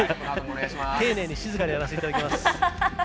丁寧に静かにやらせていただきます。